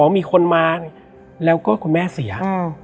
มีคนมาแล้วก็คุณแม่เสีย